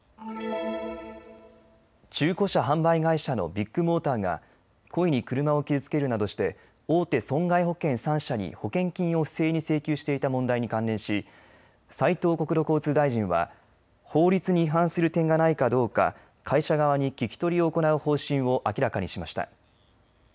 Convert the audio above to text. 中古車販売会社のビッグモーターが故意に車を傷つけるなどして大手損害保険３社に保険金を不正に請求していた問題に関連し斉藤国土交通大臣は法律に違反する点がないかどうか会社側に聞き取りを行う方針を明らかにしました。